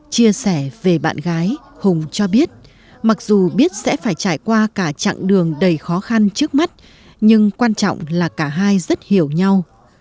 chia sẻ về bạn gái hùng cho biết mặc dù biết sẽ phải trải qua cả chặng đường đầy khó khăn trước mắt nhưng quan trọng là cả hai rất hiểu nhau